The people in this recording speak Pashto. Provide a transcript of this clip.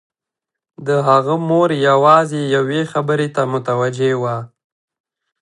د هغه مور يوازې يوې خبرې ته متوجه وه.